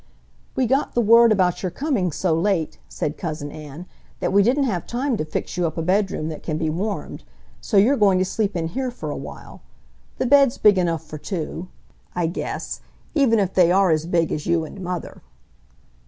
"We got the word about your coming so late," said Cousin Ann, "that we didn't have time to fix you up a bedroom that can be warmed. So you're going to sleep in here for a while. The bed's big enough for two, I guess, even if they are as big as you and Mother."